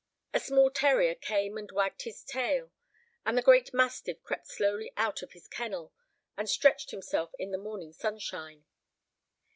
A small terrier came and wagged his tail, and the great mastiff crept slowly out of his kennel, and stretched himself in the morning sunshine.